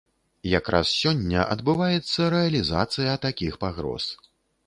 Якраз сёння адбываецца рэалізацыя такіх пагроз.